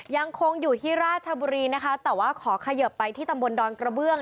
ยังคงอยู่ที่ราชบุรีนะคะแต่ว่าขอเขยิบไปที่ตำบลดอนกระเบื้อง